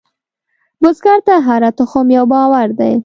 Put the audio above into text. بزګر ته هره تخم یو باور دی